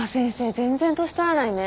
全然年取らないね。